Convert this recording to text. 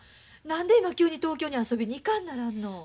何で今急に東京に遊びに行かんならんの。